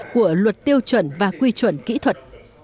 của luật tiêu chuẩn và quy chuẩn kỹ thuật